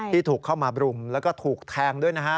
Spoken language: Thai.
ที่ถูกเข้ามาบรุมแล้วก็ถูกแทงด้วยนะฮะ